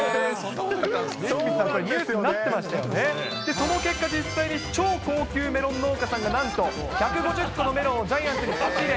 その結果、実際に超高級メロン農家さんが、なんと、１５０個のメロンをジャイアンツに差し入れ。